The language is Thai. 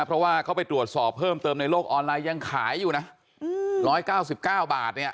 เพราะว่าเขาไปตรวจสอบเพิ่มเติมในโลกออนไลน์ยังขายอยู่นะ๑๙๙บาทเนี่ย